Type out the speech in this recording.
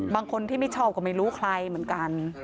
บางคนที่ไม่ชอบก็ไม่รู้ใครเหมือนกัน